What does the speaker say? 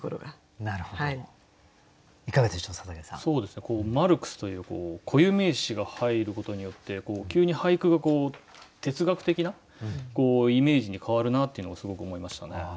そうですねこうマルクスという固有名詞が入ることによって急に俳句が哲学的なイメージに変わるなっていうのをすごく思いましたね。